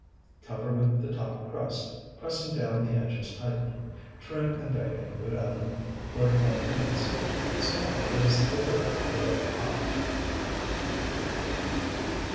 Cover with the top crust, pressing down the edges tightly. Trim and bake in a good oven forty five minutes. This pie is the typical berry pie.